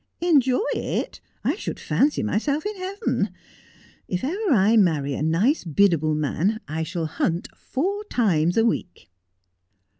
' Enjoy it 1 I should fancy myself in heaven ! If ever I marry a nice, biddable man, I shall hunt four times a week.'